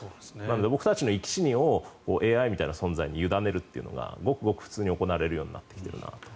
僕たちの生き死にをＡＩみたいな存在に委ねるというのがごくごく普通に行われるようになってきたなと。